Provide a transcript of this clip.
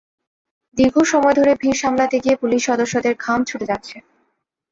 দীর্ঘ সময় ধরে ভিড় সামলাতে গিয়ে পুলিশ সদস্যদের ঘাম ছুটে যাচ্ছে।